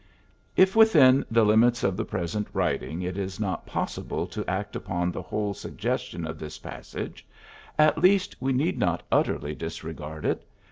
'^ If within the limits of the present writing it is not possible to act upon the whole suggestion of this passage, at least we need not utterly disregard it.